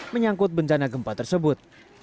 menyangkut bencana gempa tersebut